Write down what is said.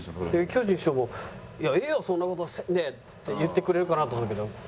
巨人師匠も「いやええよそんな事せんで」って言ってくれるかなと思ったけど。